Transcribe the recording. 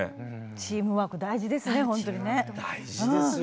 チームワークは大事ですね。